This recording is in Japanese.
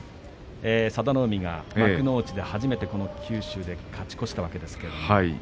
佐田の海は幕内で初めて九州で勝ち越したわけですね。